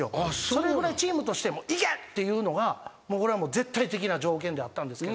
それぐらいチームとしてもいけ！っていうのが絶対的な条件であったんですけど。